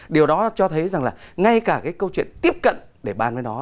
điều đó cho thấy rằng là ngay cả cái câu chuyện tiếp cận để bàn với nó